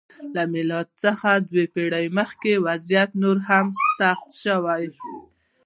له میلاد څخه دوه پېړۍ مخکې وضعیت نور هم سخت شو.